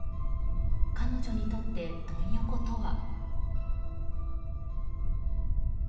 彼女にとって、ドン横とは。